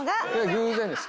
偶然です。